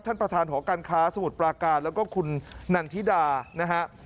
ท่านประธานหอการค้าสมุทรปราการแล้วก็คุณนันทิดานะฮะ